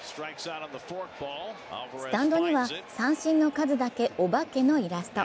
スタンドには三振の数だけお化けのイラスト。